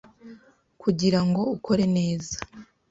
kugira ngo ukore neza